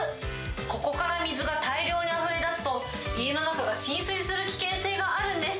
ここから水が大量にあふれ出すと、家の中から浸水する危険性があるんです。